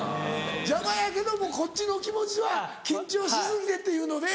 邪魔やけどもこっちの気持ちは緊張し過ぎてっていうので。